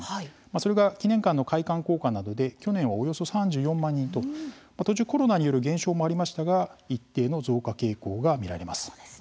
それが記念館の開館効果などで去年はおよそ３４万人と、途中コロナによる減少もありましたが一定の増加傾向が見られます。